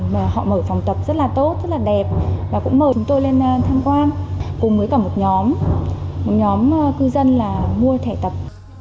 mở phòng tập rất là tốt rất là đẹp và cũng mời chúng tôi lên tham quan cùng với cả một nhóm một nhóm cư dân là mua thẻ tập